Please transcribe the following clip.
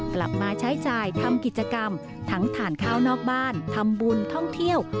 กลับมาใช้จ่ายทำกิจกรรมทั้งทานข้าวนอกบ้านทำบุญท่องเที่ยว